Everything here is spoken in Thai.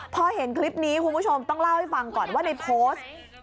พอเห็นคลิปนี้คุณผู้ชมต้องเล่าให้ฟังก่อนว่าในโพสต์